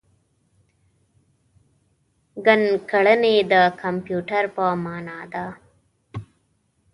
ګڼکړنی د کمپیوټر په مانا دی.